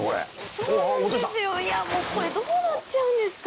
そうなんですよ。